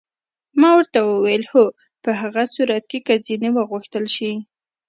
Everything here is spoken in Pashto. ما ورته وویل: هو، په هغه صورت کې که ځینې وغوښتل شي.